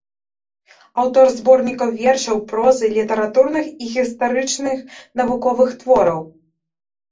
Аўтар зборнікаў вершаў, прозы, літаратурных і гістарычных навуковых твораў.